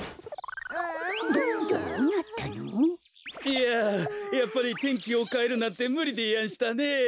いややっぱり天気をかえるなんてむりでやんしたねえ。